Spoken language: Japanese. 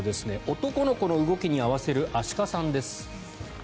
男の子の動きに合わせるアシカさんです。